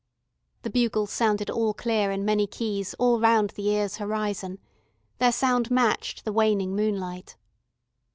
The bugles sounded All clear in many keys all round the ear's horizon; their sound matched the waning moonlight.